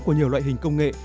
của nhiều loại hình công nghệ